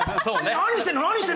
何してんの！